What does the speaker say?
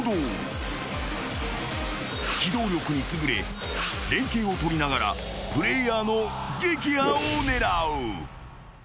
［機動力に優れ連携を取りながらプレイヤーの撃破を狙う］